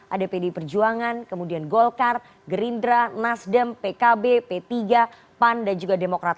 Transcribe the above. ada pdi perjuangan kemudian golkar gerindra nasdem pkb p tiga pan dan juga demokrat